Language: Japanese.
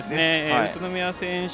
宇都宮選手